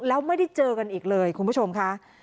แล้วไม่ได้เจอกันอีกเลยคุณผู้ชมค่ะ